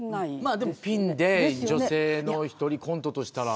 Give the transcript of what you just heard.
でも、ピンで女性の１人コントとしたら。